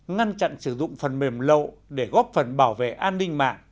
ngăn chặn sử dụng phần mềm lậu để góp phần bảo vệ an ninh mạng